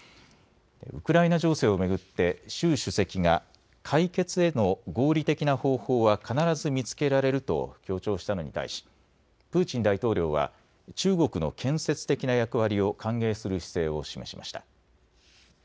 ウクライナ情勢を巡って習主席が解決への合理的な方法は必ず見つけられると強調したのに対しプーチン大統領は中国の建設的な役割を歓迎する姿勢を示しました。